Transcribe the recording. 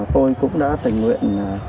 tôi cũng đã tình nguyện